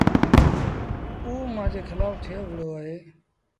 اوٚ مآݩجي کلآڦ ٿئي وهُڙو اهي۔